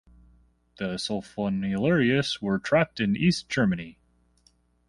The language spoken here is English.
The sulfonylureas were trapped in East Germany.